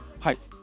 はい。